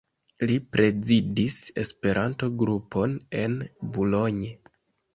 Li prezidis Esperanto-grupon en Boulogne.